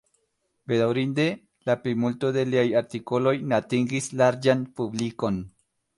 Bedaŭrinde, la plimulto de liaj artikoloj ne atingis larĝan publikon.